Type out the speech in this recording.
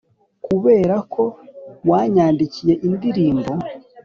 kuberako wanyandikiye indirimbo.